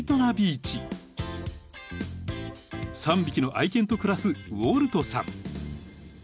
［３匹の愛犬と暮らすウォルトさん］